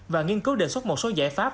và nghiên cứu đề xuất một số giải pháp